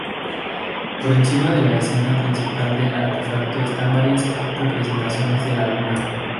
Por encima de la escena principal del artefacto están varias representaciones de la Luna.